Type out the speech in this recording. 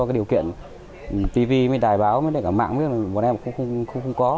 do cái điều kiện tivi tài báo cả mạng bọn em cũng không có